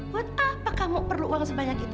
hut apa kamu perlu uang sebanyak itu